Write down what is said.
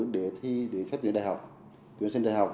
để thi để xét tuyển đại học